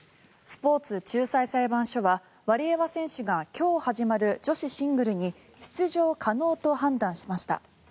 スポーツ仲裁裁判所はワリエワ選手が今日始まる女子シングルに出場可能と判断しました。